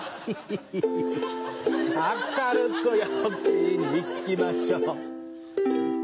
明るく陽気に、いきましょう。